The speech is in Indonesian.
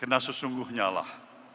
karena sesungguhnya lah